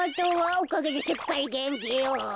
おかげですっかりげんきよ。